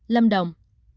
ba lâm đồng